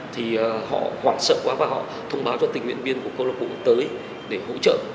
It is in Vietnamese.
thì họ hoảng sợ quá và họ thông báo cho tình nguyện viên của câu lạc bộ tới để hỗ trợ